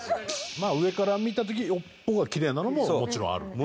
まあ上から見た時に尾っぽがキレイなのももちろんある。